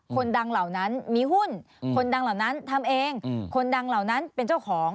คนดังเหล่านั้นมีหุ้นคนดังเหล่านั้นทำเองคนดังเหล่านั้นเป็นเจ้าของ